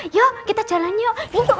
yuk kita jalan yuk